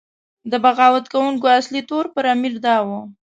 د بغاوت کوونکو اصلي تور پر امیر دا و.